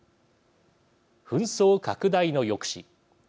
紛争拡大の抑止。